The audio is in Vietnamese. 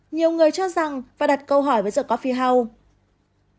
nhiều người cho rằng và đặt câu hỏi với the coffee house